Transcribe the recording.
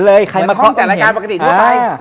เหมือนห้องจัดรายการปกติด้วยไป